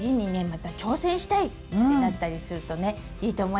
「また挑戦したい」ってなったりするとねいいと思います。